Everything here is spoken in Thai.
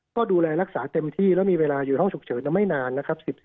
ก็ดูแลรักษาเต็มที่แล้วมีเวลาอยู่ห้องฉุกเฉินไม่นานนะครับ